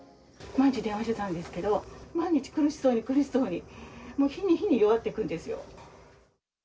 毎日電話してたんですけど、毎日苦しそうに苦しそうに、もう日に日に弱っていくんですよ。